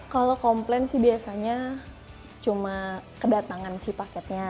kalau komplain sih biasanya cuma kedatangan si paketnya